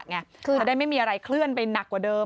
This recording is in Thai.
จะได้ไม่มีอะไรเคลื่อนไปหนักกว่าเดิม